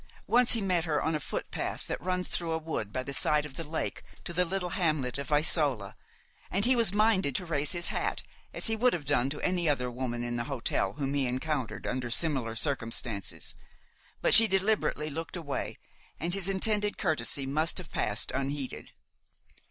Once he met her on a footpath that runs through a wood by the side of the lake to the little hamlet of Isola, and he was minded to raise his hat, as he would have done to any other woman in the hotel whom he encountered under similar circumstances; but she deliberately looked away, and his intended courtesy must have passed unheeded.